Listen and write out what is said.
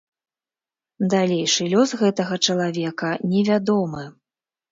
Далейшы лёс гэтага чалавека не вядомы.